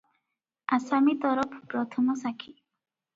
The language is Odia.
ଆସାମୀ ତରଫ ପ୍ରଥମ ସାକ୍ଷୀ ।